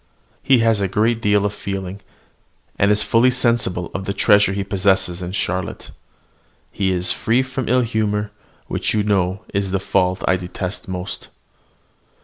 He has a great deal of feeling, and is fully sensible of the treasure he possesses in Charlotte. He is free from ill humour, which you know is the fault I detest most.